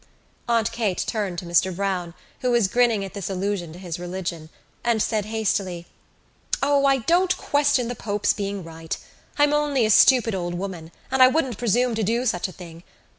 Aunt Kate turned to Mr Browne, who was grinning at this allusion to his religion, and said hastily: "O, I don't question the pope's being right. I'm only a stupid old woman and I wouldn't presume to do such a thing.